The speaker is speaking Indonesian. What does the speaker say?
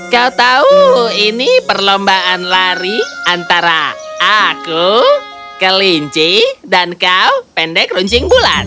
kau tahu ini perlombaan lari antara aku kelinci dan kau pendek runcing bulan